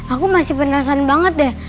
aku masih penasaran banget deh